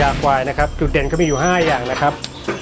สัตว์พุทธกลายนะครับจุดเด่นมีอยู่๕อย่างนะครับ